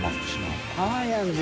「ハワイアンズ」